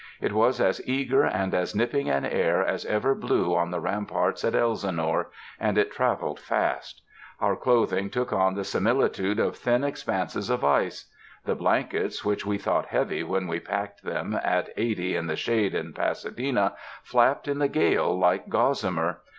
It was as eager and as nipping an air as ever blew on the ramparts at Elsinore, and it traveled fast. Our clothing took on the similitude of thin expanses of ice. The blankets which we thought heavy when we packed them at eighty in the shade in Pasadena, flapped in the gale like gos samer.